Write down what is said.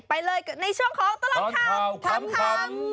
ไปเลยในช่วงของตลอดข่าวขำ